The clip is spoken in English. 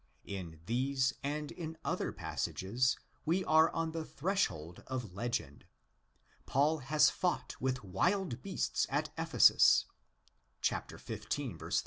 In these and in other passages we are on the threshold of legend. Paul has fought with wild beasts at Ephesus (xv. 32).